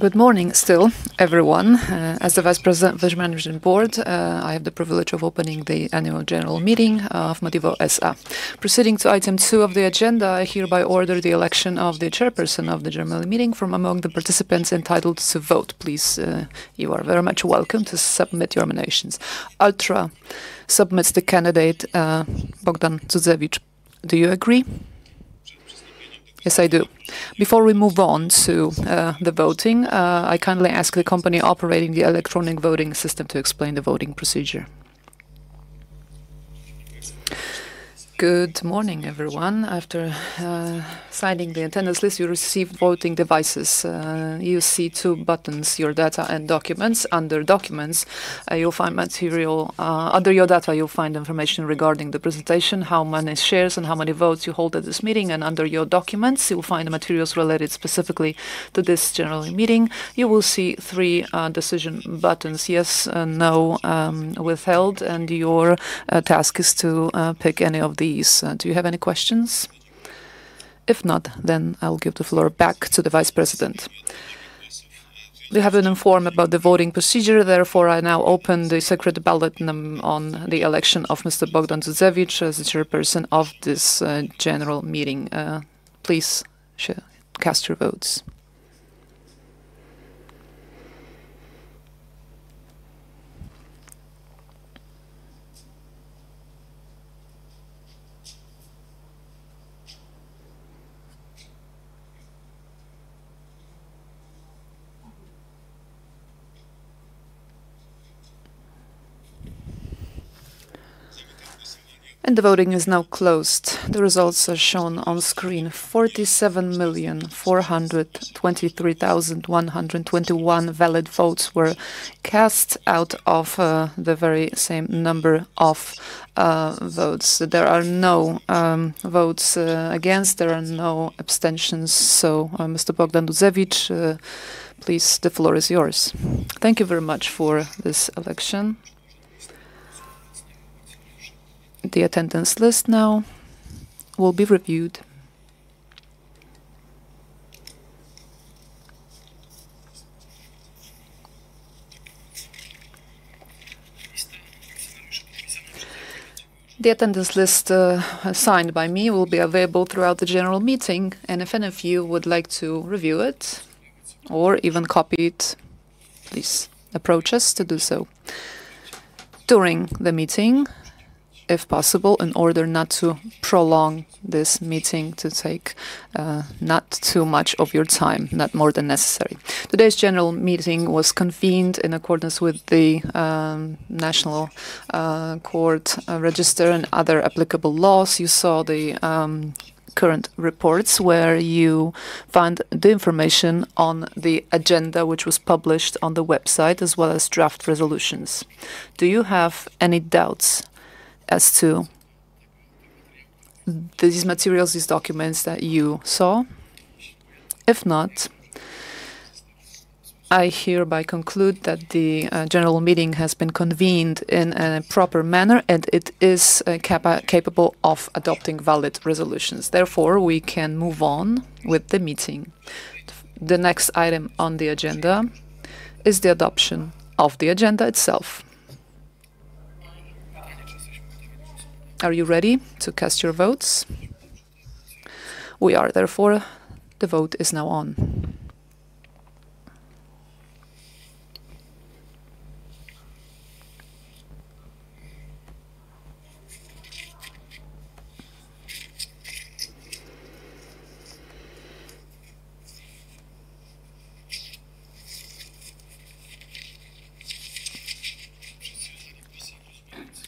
Good morning, still, everyone. As the Vice President of the Management Board, I have the privilege of opening the Annual General Meeting of Modivo SA. Proceeding to item two of the agenda, I hereby order the election of the Chairperson of the General Meeting from among the participants entitled to vote. Please, you are very much welcome to submit your nominations. [Altra] submits the candidate, [Bogdan Rudzewicz]. Do you agree? Yes, I do. Before we move on to the voting, I kindly ask the company operating the electronic voting system to explain the voting procedure. Good morning, everyone. After signing the attendance list, you receive voting devices. You see two buttons, your data and documents. Under your data, you'll find information regarding the presentation, how many shares and how many votes you hold at this meeting, and under your documents, you'll find the materials related specifically to this General Meeting. You will see three decision buttons, yes, no, withheld, and your task is to pick any of these. Do you have any questions? If not, I'll give the floor back to the Vice President. You have been informed about the voting procedure. Therefore, I now open the secret ballot on the election of Mr. [Bogdan Rudzewicz] as the Chairperson of this General Meeting. Please, cast your votes. The voting is now closed. The results are shown on screen. 47,423,121 valid votes were cast out of the very same number of votes. There are no votes against, there are no abstentions. Mr. [Bogdan Rudzewicz], please, the floor is yours. Thank you very much for this election. The attendance list now will be reviewed. The attendance list, signed by me, will be available throughout the general meeting, and if any of you would like to review it or even copy it, please approach us to do so during the meeting, if possible, in order not to prolong this meeting to take not too much of your time, not more than necessary. Today's general meeting was convened in accordance with the National Court Register and other applicable laws. You saw the current reports where you found the information on the agenda, which was published on the website, as well as draft resolutions. Do you have any doubts as to these materials, these documents that you saw? If not, I hereby conclude that the general meeting has been convened in a proper manner and it is capable of adopting valid resolutions. We can move on with the meeting. The next item on the agenda is the adoption of the agenda itself. Are you ready to cast your votes? We are. The vote is now on.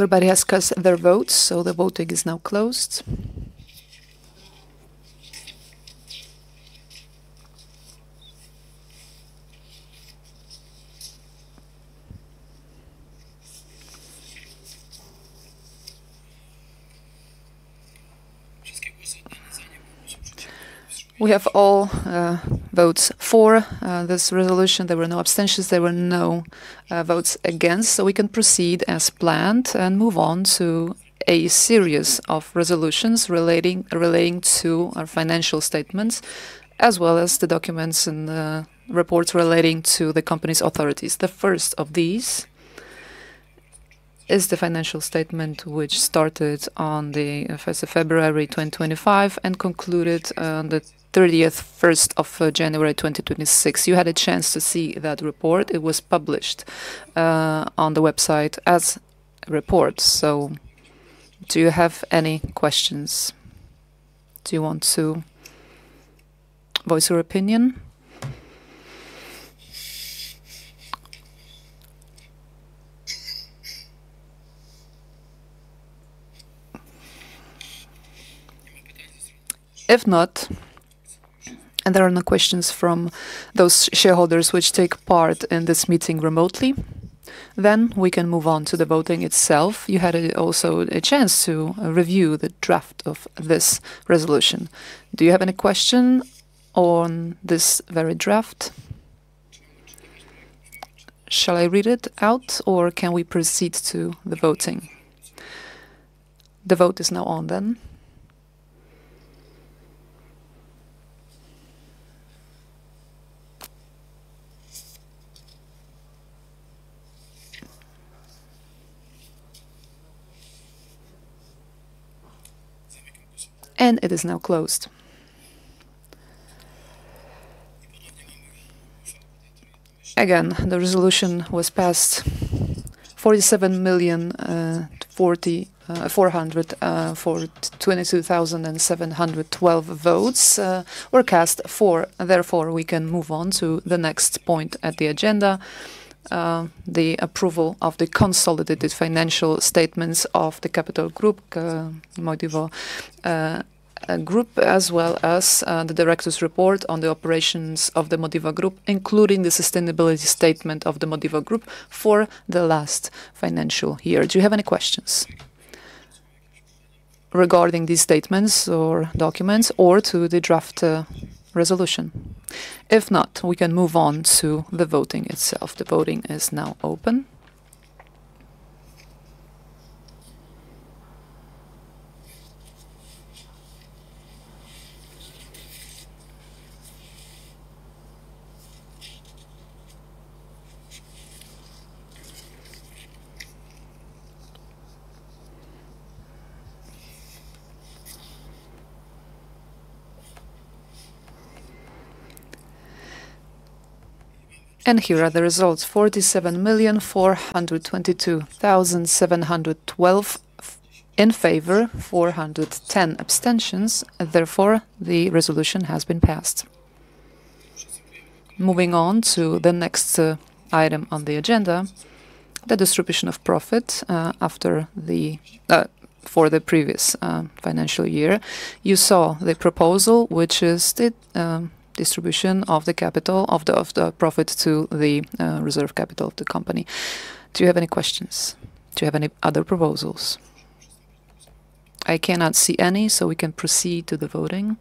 Everybody has cast their votes, the voting is now closed. We have all votes for this resolution. There were no abstentions, there were no votes against. We can proceed as planned and move on to a series of resolutions relating to our financial statements, as well as the documents and the reports relating to the company's authorities. The first of these is the financial statement, which started on the 1st of February 2025 and concluded on the 31st of January 2026. You had a chance to see that report. It was published on the website as reports. Do you have any questions? Do you want to voice your opinion? If not, and there are no questions from those shareholders which take part in this meeting remotely, then we can move on to the voting itself. You had also a chance to review the draft of this resolution. Do you have any question on this very draft? Shall I read it out or can we proceed to the voting? The vote is now on then. It is now closed. Again, the resolution was passed. 47,400,422,712 votes were cast for, therefore, we can move on to the next point at the agenda, the approval of the consolidated financial statements of the Capital Group, Modivo Group, as well as the Director's report on the operations of the Modivo Group, including the sustainability statement of the Modivo Group for the last financial year. Do you have any questions regarding these statements or documents, or to the draft resolution? If not, we can move on to the voting itself. The voting is now open. Here are the results. 47,422,712 in favor, 410 abstentions. Therefore, the resolution has been passed. Moving on to the next item on the agenda, the distribution of profit for the previous financial year. You saw the proposal, which is the distribution of the profit to the reserve capital of the company. Do you have any questions? Do you have any other proposals? I cannot see any, so we can proceed to the voting.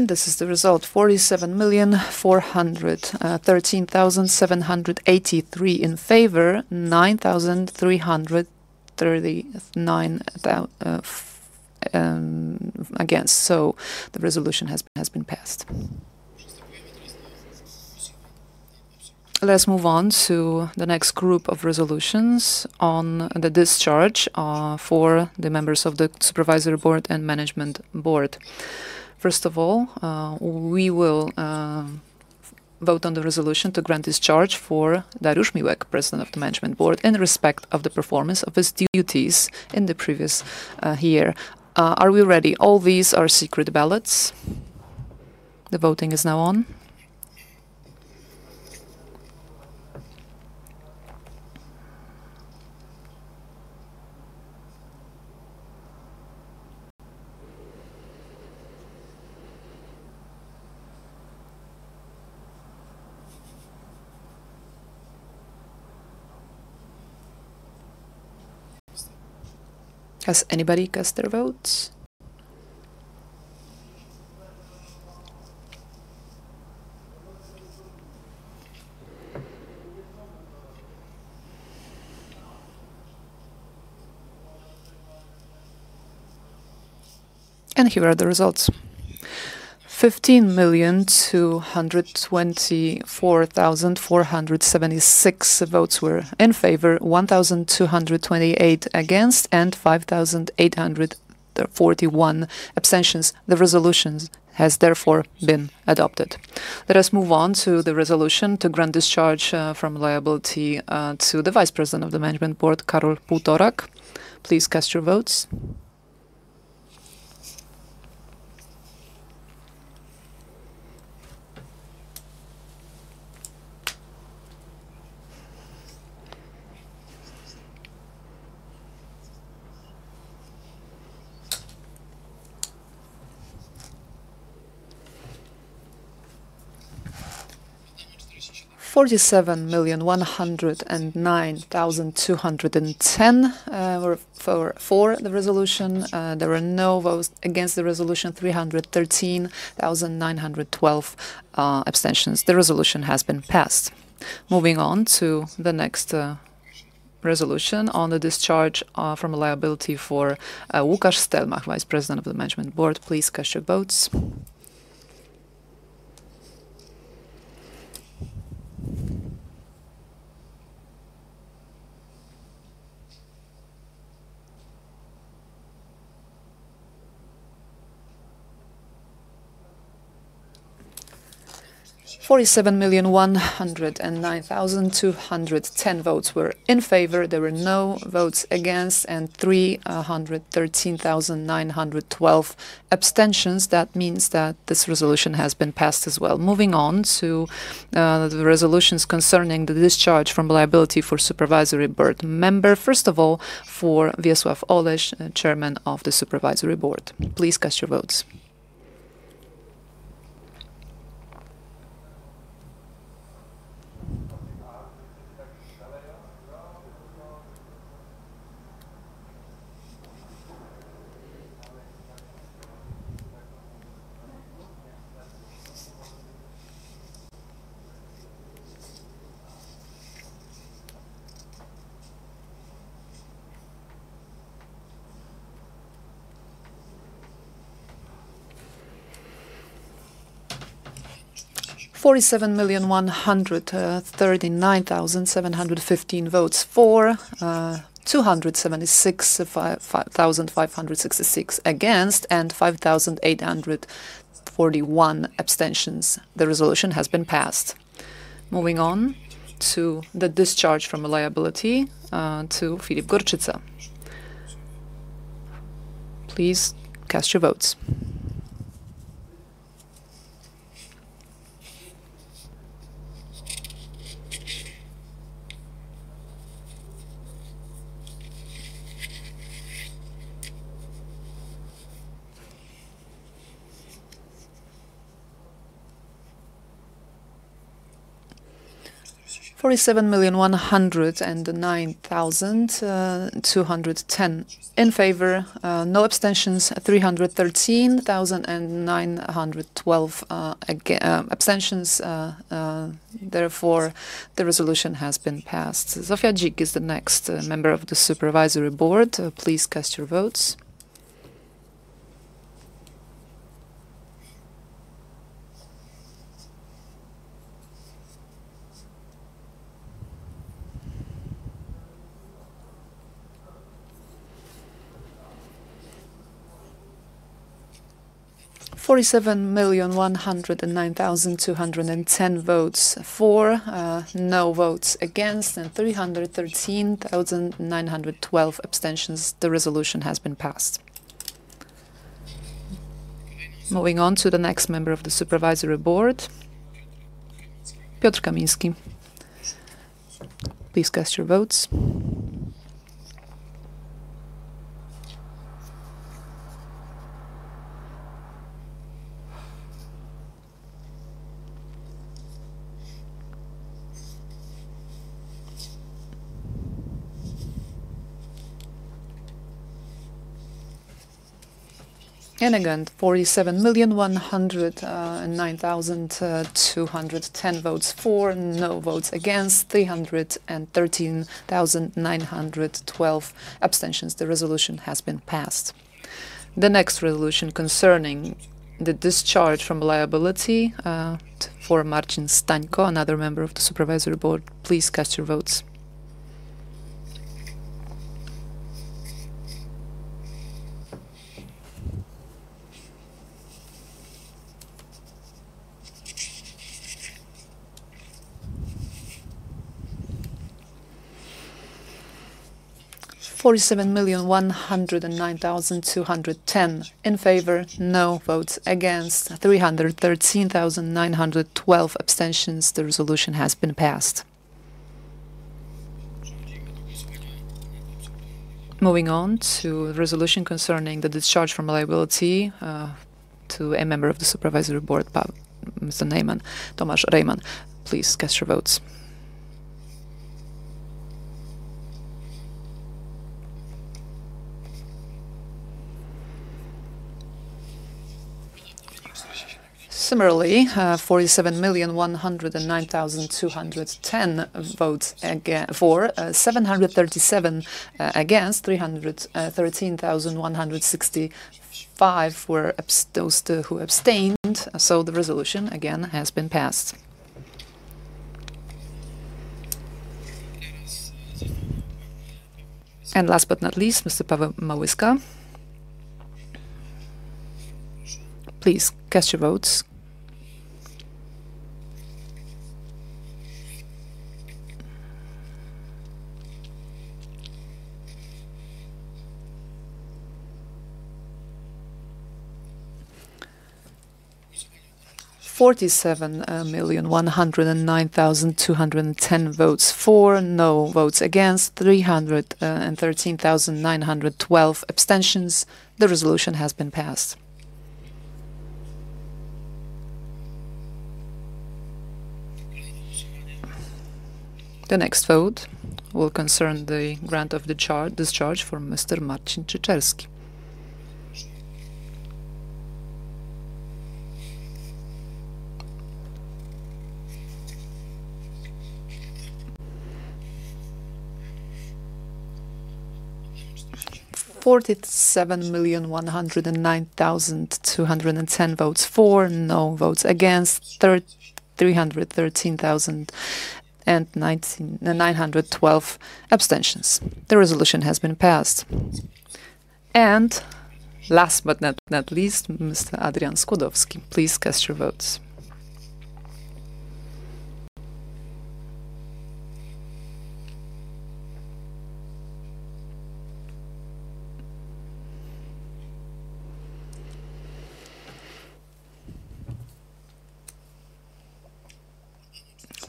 This is the result. 47,413,783 in favor, 9,339 against. The resolution has been passed. Let's move on to the next group of resolutions on the discharge for the members of the Supervisory Board and Management Board. First of all, we will vote on the resolution to grant discharge for Dariusz Miłek, President of the Management Board, in respect of the performance of his duties in the previous year. Are we ready? All these are secret ballots. The voting is now on. Has anybody cast their votes? Here are the results. 15,224,476 votes were in favor, 1,228 against, and 5,841 abstentions. The resolution has therefore been adopted. Let us move on to the resolution to grant discharge from liability to the Vice President of the Management Board, Karol Półtorak. Please cast your votes. 47,109,210 were for the resolution. There were no votes against the resolution, 313,912 abstentions. The resolution has been passed. Moving on to the next resolution on the discharge from liability for Łukasz Stelmach, Vice President of the Management Board. Please cast your votes. 47,109,210 votes were in favor. There were no votes against, and 313,912 abstentions. That means that this resolution has been passed as well. Moving on to the resolutions concerning the discharge from liability for Supervisory Board member. First of all, for Wiesław Oleś, Chairman of the Supervisory Board, please cast your votes. 47,139,715 votes for, 276,566 against, and 5,841 abstentions. The resolution has been passed. Moving on to the discharge from liability to Filip Grześkowiak. Please cast your votes. 47,109,210 in favor, no abstentions, 313,912 abstentions. Therefore, the resolution has been passed. Zofia Dzik is the next member of the Supervisory Board. Please cast your votes. 47,109,210 votes for, no votes against, and 313,912 abstentions. The resolution has been passed. Moving on to the next member of the Supervisory Board, Piotr Kamiński. Again, 47,109,210 votes for, no votes against, 313,912 abstentions. The resolution has been passed. The next resolution concerning the discharge from liability for Marcin Stańko, another member of the Supervisory Board. Please cast your votes. 47,109,210 in favor, no votes against, 313,912 abstentions. The resolution has been passed. Moving on to resolution concerning the discharge from liability to a member of the Supervisory Board, Paweł Neuman. Tomasz Rejman. Please cast your votes. Similarly, 47,109,210 votes for, 737 against, 313,165 were those who abstained. The resolution, again, has been passed. Last but not least, Mr. Paweł Małyska. Please cast your votes. 47,109,210 votes for, no votes against, 313,912 abstentions. The resolution has been passed. The next vote will concern the grant of the discharge for Mr. Marcin Czyczerski. 47,109,210 votes for, no votes against, 313,912 abstentions. The resolution has been passed. Last but not least, Mr. Adrian Skłodowski. Please cast your votes.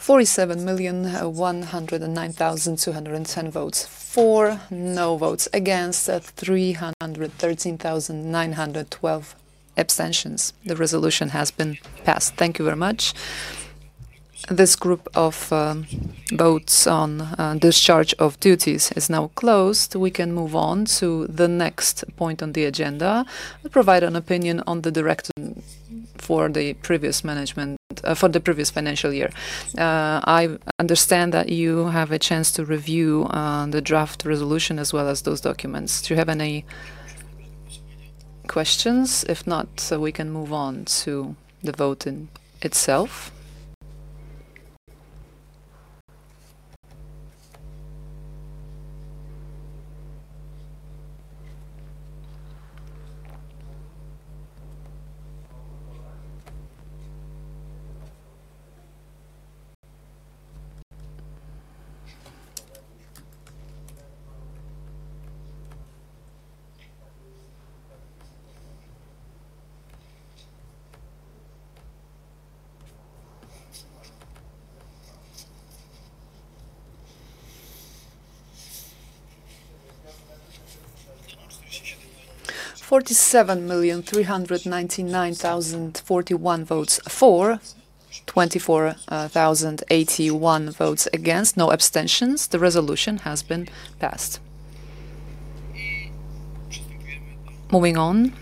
47,109,210 votes for, no votes against, 313,912 abstentions. The resolution has been passed. Thank you very much. This group of votes on discharge of duties is now closed. We can move on to the next point on the agenda. We provide an opinion on the Director for the previous financial year. I understand that you have a chance to review the draft resolution as well as those documents. Do you have any questions? If not, we can move on to the vote itself. 47,399,041 votes for, 24,081 votes against, no abstentions. The resolution has been passed. Moving on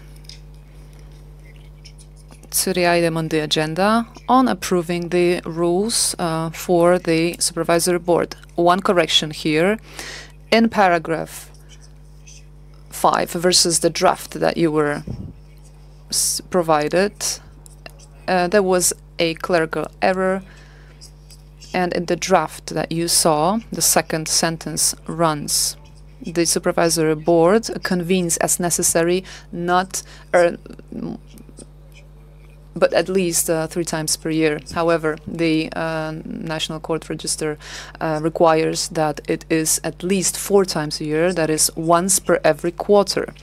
to the item on the agenda on approving the rules for the Supervisory Board. One correction here. In paragraph five versus the draft that you were provided, there was a clerical error. In the draft that you saw, the second sentence runs, the Supervisory Board convenes as necessary, but at least three times per year. However, the National Court Register requires that it is at least four times a year, that is once per every quarter.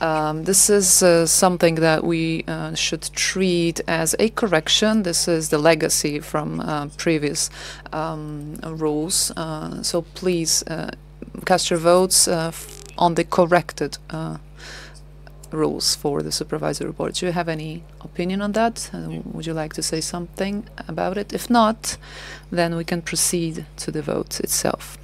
This is something that we should treat as a correction. This is the legacy from previous rules. Please cast your votes on the corrected rules for the Supervisory Board. Do you have any opinion on that? Would you like to say something about it? If not, then we can proceed to the vote itself.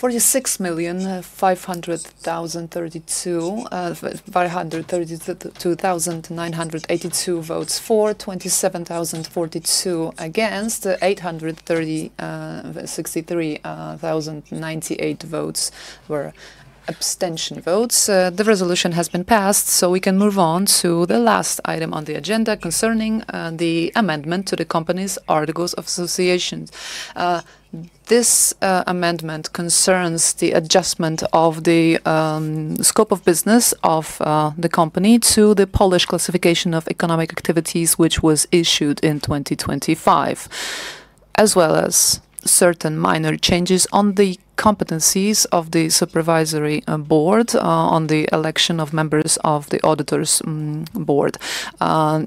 46,532,982 votes for, 27,042 against, 863,098 votes were abstention votes. The resolution has been passed, so we can move on to the last item on the agenda concerning the amendment to the company's Articles of Association. This amendment concerns the adjustment of the scope of business of the company to the Polish Classification of Activities, which was issued in 2025, as well as certain minor changes on the competencies of the Supervisory Board on the election of members of the auditors board.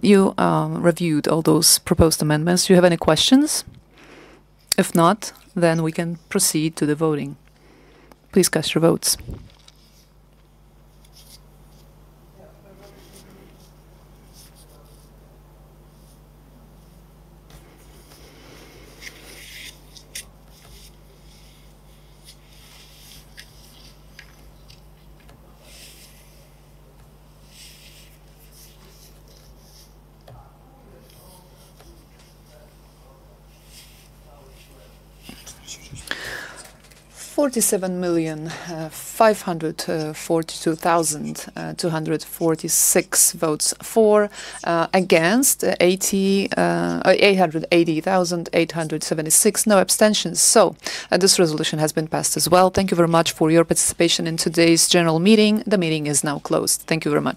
You reviewed all those proposed amendments. Do you have any questions? If not, then we can proceed to the voting. Please cast your votes. 47,542,246 votes for, against, 880,876, no abstentions. This resolution has been passed as well. Thank you very much for your participation in today's General Meeting. The meeting is now closed. Thank you very much